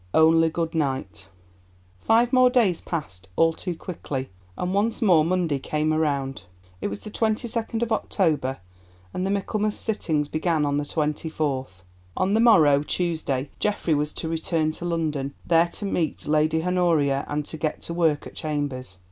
ONLY GOOD NIGHT Five more days passed, all too quickly, and once more Monday came round. It was the 22nd of October, and the Michaelmas Sittings began on the 24th. On the morrow, Tuesday, Geoffrey was to return to London, there to meet Lady Honoria and get to work at Chambers.